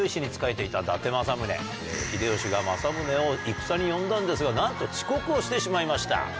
秀吉が政宗を戦に呼んだんですがなんと遅刻をしてしまいました。